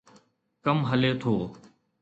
ڪم هلي ٿو.